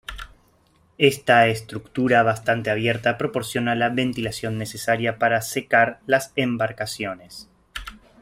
Esta estructura bastante abierta proporcionaba la ventilación necesaria para secar las embarcaciones.